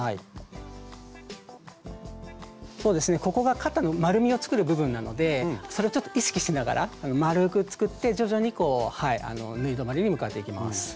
ここが肩の丸みを作る部分なのでそれをちょっと意識しながら丸く作って徐々に縫い止まりに向かっていきます。